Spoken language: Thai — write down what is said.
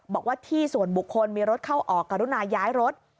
บอกว่าที่ส่วนบุคคลมีรถเข้าออกกรุณาย้ายรถ